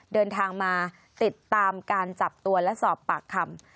เดินทางมาติดตามการจับตัวและสอบปากคำ